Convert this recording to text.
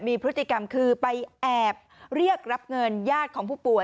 มีพฤติกรรมคือไปแอบเรียกรับเงินญาติของผู้ป่วย